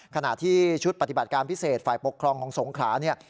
ขณะที่ชุดปฏิบัติการพิเศษฝ่ายปกครองของสงขราเนี่ย